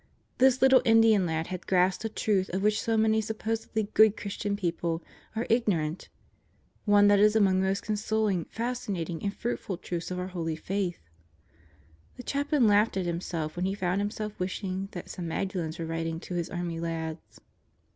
This little Indian lad had grasped a truth of which so many supposedly good Christian people are ignorant. One that is among the most consoling, fascinating, and fruitful truths of our holy Faith." The Chaplain laughed at himself when he found himself wish ing that some Magdalens were writing to his army lads.